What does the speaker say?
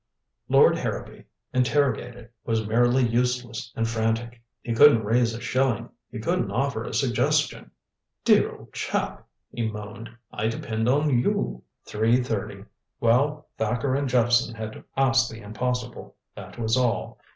Lord Harrowby, interrogated, was merely useless and frantic. He couldn't raise a shilling. He couldn't offer a suggestion. "Dear old chap," he moaned, "I depend on you." Three thirty! Well, Thacker and Jephson had asked the impossible, that was all.